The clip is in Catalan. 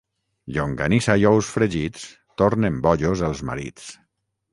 Llonganissa i ous fregits tornen bojos els marits.